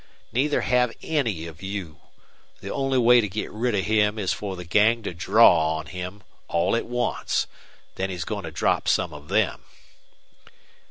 Neither have any of you. The only way to get rid of him is for the gang to draw on him, all at once. Then he's going to drop some of them."